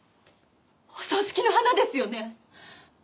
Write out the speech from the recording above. お葬式の花ですよね？